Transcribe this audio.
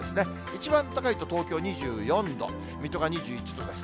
一番高いと東京２４度、水戸が２１度です。